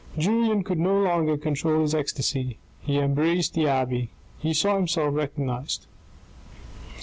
Julien could no longer control his ecstasy. He embraced the abbe. He saw himself recognised.